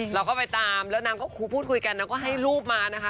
เราก็ไปตามแล้วนางก็พูดคุยกันนางก็ให้รูปมานะคะ